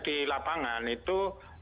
di lapangan itu